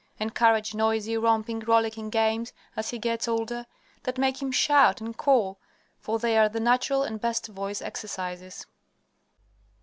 Encourage noisy, romping, rollicking games as he gets older, that make him shout and call, for they are the natural and best voice exercises.